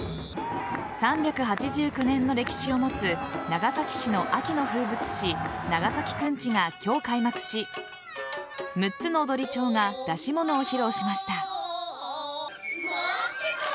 ３８９年の歴史を持つ長崎市の秋の風物詩長崎くんちが今日開幕し六つの踊町が演し物を披露しました。